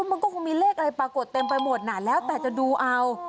มันก็คงมีเลขอะไรปรากฏเต็มไปหมดน่ะแล้วแต่จะดูเอา